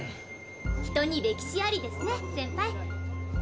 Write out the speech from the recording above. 人に歴史ありですねセンパイ。